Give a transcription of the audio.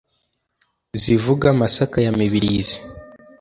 zivuga masaka ya mibirizi